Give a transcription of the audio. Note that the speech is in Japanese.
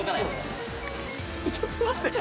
ちょっと待って。